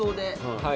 はい。